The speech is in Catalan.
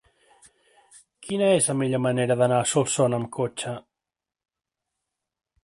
Quina és la millor manera d'anar a Solsona amb cotxe?